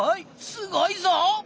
すごいぞ！